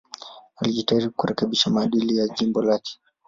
Alijitahidi kurekebisha maadili ya jimbo lake.